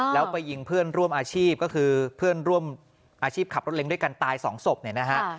แล้วไปยิงเพื่อนร่วมอาชีพก็คือเพื่อนร่วมอาชีพขับรถเล้งด้วยกันตายสองศพเนี่ยนะฮะ